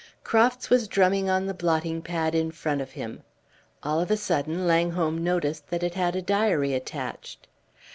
Crofts was drumming on the blotting pad in front of him; all of a sudden Langholm noticed that it had a diary attached.